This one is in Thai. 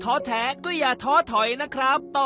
การที่บูชาเทพสามองค์มันทำให้ร้านประสบความสำเร็จ